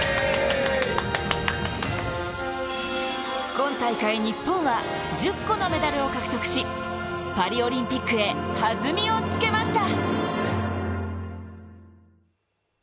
今大会、日本は１０個のメダルを獲得しパリオリンピックへ弾みをつけました。